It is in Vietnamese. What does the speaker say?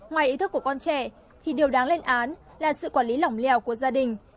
ngoài ý thức của con trẻ thì điều đáng lên án là sự quản lý lỏng lèo của gia đình